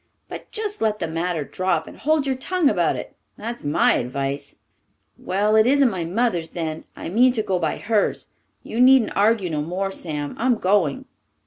But just let the matter drop and hold your tongue about it. That's my advice." "Well, it isn't my mother's, then. I mean to go by hers. You needn't argue no more, Sam. I'm going."